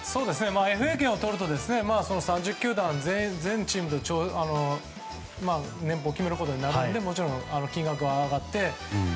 ＦＡ権をとると３０球団全チームと年俸を決めることになるのでもちろん金額は上がって。